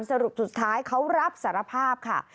สรุปสุดท้ายเขารับสารภาพค่ะ